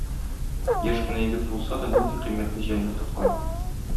Яшь кенә егет булса да, нинди кыйммәтле җәнлек тоткан.